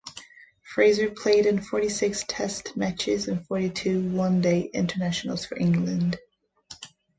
Fraser played in forty-six Test matches and forty-two One Day Internationals for England.